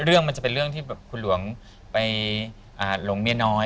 เรื่องมันจะเป็นเรื่องที่แบบคุณหลวงไปหลงเมียน้อย